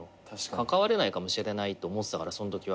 関われないかもしれないと思ってたからそのときは。